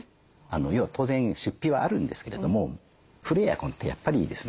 要は当然出費はあるんですけれども古いエアコンってやっぱりですね